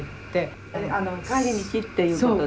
あの「帰り道」っていうことで。